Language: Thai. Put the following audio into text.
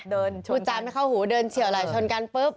เดินชนกันอุจจำไม่เข้าหูเดินเฉียวอะไรชนกันปุ๊บ